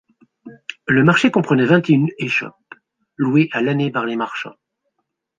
Le marché comprenait vingt et une échoppes, louées à l'année par les marchands.